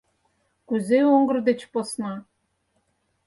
— Кузе оҥгыр деч посна?